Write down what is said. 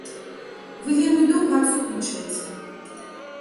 Вы вельмі доўга адсутнічаеце.